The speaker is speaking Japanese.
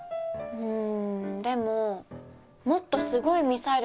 うん？